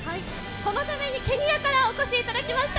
このためにケニアからお越しいただきました